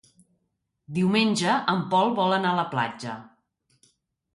Diumenge en Pol vol anar a la platja.